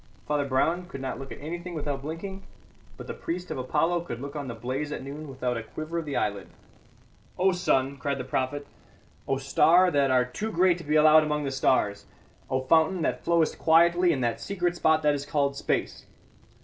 Father Brown could not look at anything without blinking; but the priest of Apollo could look on the blaze at noon without a quiver of the eyelid. "O sun," cried the prophet, "O star that art too great to be allowed among the stars! O fountain that flowest quietly in that secret spot that is called space.